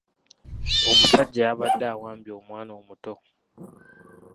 Omusajja yabadde awambye omwana omuto.